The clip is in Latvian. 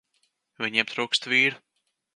Viņiem trūkst vīru.